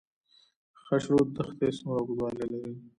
خاشرود دښتې څومره اوږدوالی لري؟